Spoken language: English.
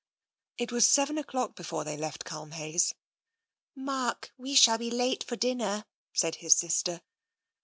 If was seven o'clock before they left Culmhayes. Mark, we shall be late for dinner," said his sister.